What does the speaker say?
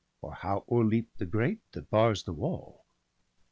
Or how o'erleap the grate that bars the wall?'